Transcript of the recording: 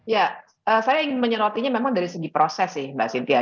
ya saya ingin menyerotinya memang dari segi proses sih mbak cynthia